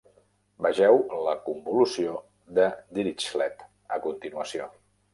Vegeu la convolució de Dirichlet, a continuació.